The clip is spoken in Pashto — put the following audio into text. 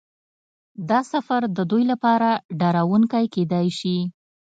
دا سفر د دوی لپاره ډارونکی کیدای شي